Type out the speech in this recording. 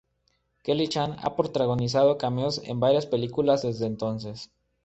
Kelly Chan ha protagonizado cameos en varias películas desde entonces.